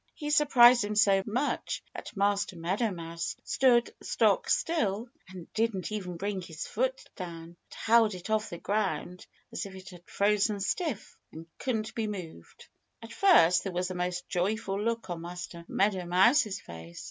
He surprised him so much that Master Meadow Mouse stood stock still and didn't even bring his foot down, but held it off the ground as if it had frozen stiff and couldn't be moved. At first there was a most joyful look on Master Meadow Mouse's face.